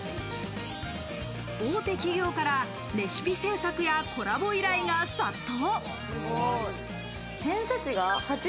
大手企業からレシピ製作やコラボ依頼が殺到。